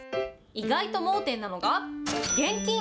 意外と盲点なのが、現金。